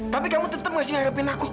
tapi kamu tetep ngasih ngarepin aku